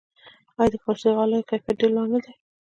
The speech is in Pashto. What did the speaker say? آیا د فارسي غالیو کیفیت ډیر لوړ نه دی؟